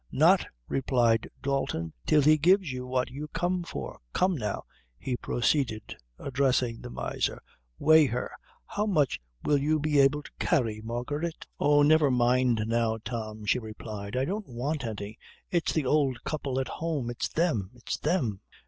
"Not," replied Dalton, "till he gives you what you come for. Come now," he proceeded, addressing the miser, "weigh her. How much will you be able to carry, Margaret?" "Oh, never mind, now, Tom," she replied, "I don't want any, it's the ould people at home it's them it's them."